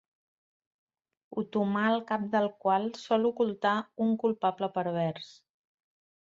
Otomà el cap del qual sol ocultar un culpable pervers.